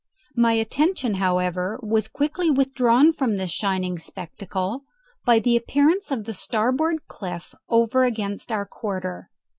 My attention, however, was quickly withdrawn from this shining spectacle by the appearance of the starboard cliff over against our quarter.